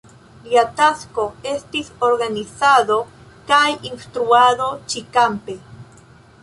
Lia tasko estis organizado kaj instruado ĉi-kampe.